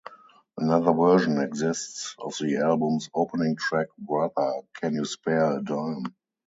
Another version exists of the album's opening track, Brother, Can You Spare a Dime?